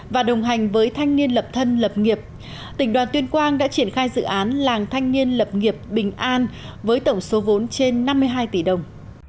và đồng hành với thanh niên lập thân lập nghiệp tỉnh đoàn tuyên quang đã triển khai dự án làng thanh niên lập nghiệp bình an với tổng số vốn trên năm mươi hai tỷ đồng